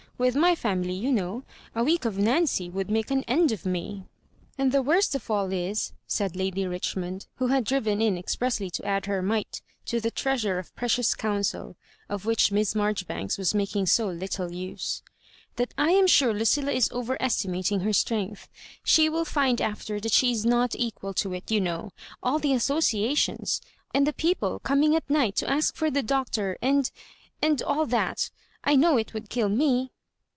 "With my fami ly, you know, a week of Nancy would make an end of me." " And the worst of all is," said Lady Richmond, who had driven in expressly to add her mite to the treasure of precious counsel, of which Miss Maijoribanks was making so little use, " that I am sure Lucilla is over estimating her strength. She will find after that she is not equal to it, you know ; all the associations — and the people com ing at night to ask for the Doctor — and — and all that. I know it would kill we."